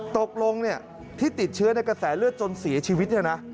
ตกลงที่ติดเชื้อในกระแสเลือดจนเสียชีวิตเนี่ยนะ